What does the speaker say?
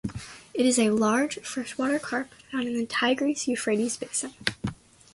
It is a large freshwater carp found in the Tigris-Euphrates Basin.